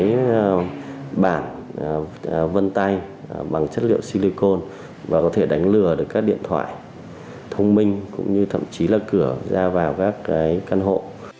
các cái bản vân tay bằng chất liệu silicon và có thể đánh lừa được các điện thoại thông minh cũng như thậm chí là cửa ra vào các căn hộ